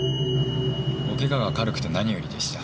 お怪我が軽くて何よりでした。